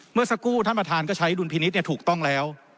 เมื่อสักครู่ท่านประธานก็ใช้ดุลพินิษฐ์ถูกต้องแล้ว